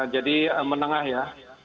jadi menengah ya